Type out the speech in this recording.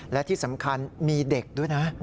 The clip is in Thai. และที่สำคัญมีเด็กด้วยนะ